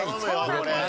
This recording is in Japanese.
これ。